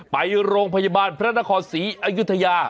ไปโรงพยาบาลพระราชนาคอร์ศรีอายุธยา